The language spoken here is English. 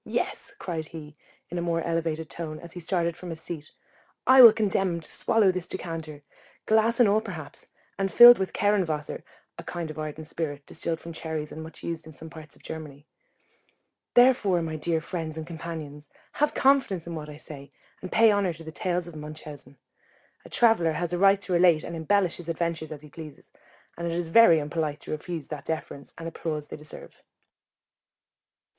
Yes, cried he, in a more elevated tone, as he started from his seat, I will condemn him to swallow this decanter, glass and all perhaps, and filled with kerren wasser [a kind of ardent spirit distilled from cherries, and much used in some parts of Germany]. Therefore, my dear friends and companions, have confidence in what I say, and pay honour to the tales of Munchausen. A traveller has a right to relate and embellish his adventures as he pleases, and it is very unpolite to refuse that deference and applause they deserve.